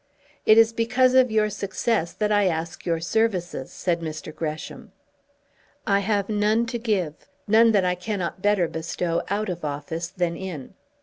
"It is because of your success that I ask your services," said Mr. Gresham. "I have none to give, none that I cannot better bestow out of office than in.